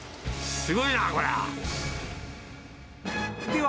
すごいな、これは。